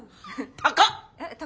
高っ。